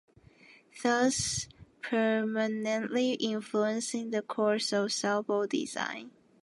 Thus permanently influencing the course of sailboat design.